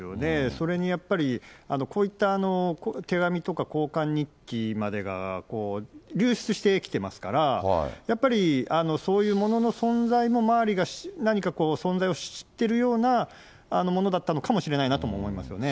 それにやっぱり、こういった手紙とか交換日記までが流出してきてますから、やっぱり、そういうものの存在も、周りが何かこう、存在を知ってるようなものだったのかもしれないなと思いますよね。